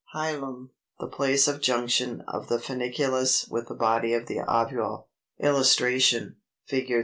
HILUM, the place of junction of the funiculus with the body of the ovule. [Illustration: Fig.